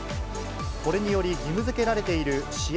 これにより、義務づけられている試合